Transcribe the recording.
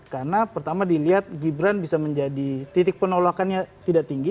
karena pertama dilihat gibran bisa menjadi titik penolakannya tidak tinggi